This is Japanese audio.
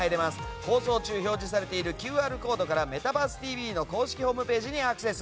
放送中表示されているＱＲコードから「メタバースＴＶ！！」の公式ホームページにアクセス。